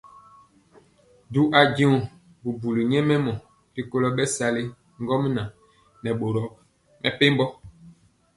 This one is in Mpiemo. Du ajeŋg bubuli nyɛmemɔ rikolo bɛsali ŋgomnaŋ nɛ boro mepempɔ.